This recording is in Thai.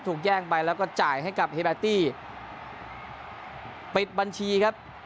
แย่งไปแล้วก็จ่ายให้กับเฮเบตตี้ปิดบัญชีครับ